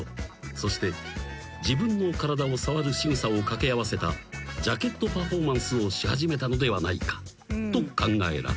［そして自分の体を触るしぐさを掛け合わせたジャケットパフォーマンスをし始めたのではないかと考えられる］